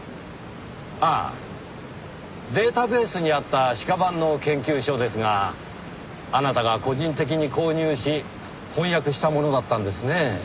ああデータベースにあった私家版の研究書ですがあなたが個人的に購入し翻訳したものだったんですねぇ。